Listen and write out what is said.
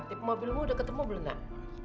tip mobil lo udah ketemu belum nak